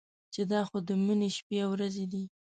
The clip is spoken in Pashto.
چې دا خو د مني شپې او ورځې دي.